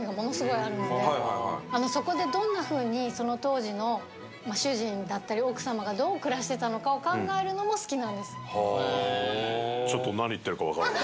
そこでどんな風にその当時の主人だったり奥様がどう暮らしてたのかを考えるのも好きなんです。